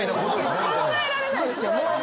考えられないですよ。